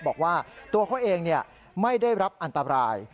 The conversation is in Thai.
บอกว่าตัวเขาเองไม่ได้รับอันตราย